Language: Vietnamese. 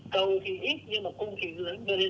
cầu thì ít nhưng mà cung thì dưới